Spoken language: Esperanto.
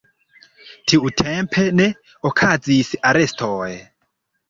Tiutempe ne okazis arestoj.